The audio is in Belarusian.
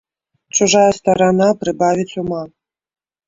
Чужая старана прыбавіць ума!